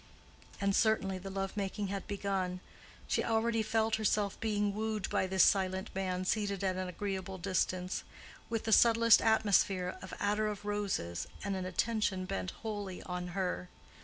And certainly the love making had begun: she already felt herself being wooed by this silent man seated at an agreeable distance, with the subtlest atmosphere of attar of roses and an attention bent wholly on her.